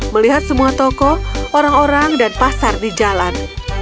melihat semua toko orang orang dan pasar di jalan